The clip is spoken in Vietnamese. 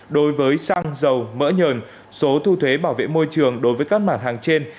đối với xăng dầu mỡ nhờn số thu thuế bảo vệ môi trường đối với các mặt hàng trên